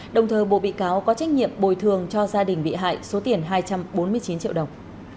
đồng thời bộ bị cáo có trách nhiệm bồi thường cho gia đình bị hại số tiền hai trăm bốn mươi chín triệu đồng